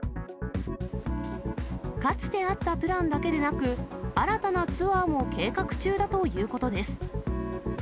かつてあったプランだけでなく、新たなツアーも計画中だということです。